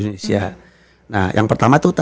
nah yang pertama itu